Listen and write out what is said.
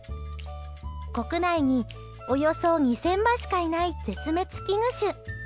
国内におよそ２０００羽しかいない絶滅危惧種。